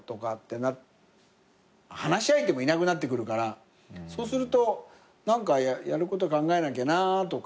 話し相手もいなくなってくるからそうすると何かやること考えなきゃなとか。